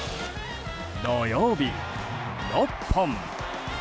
土曜日、６本。